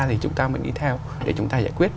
thì chúng ta mới đi theo để chúng ta giải quyết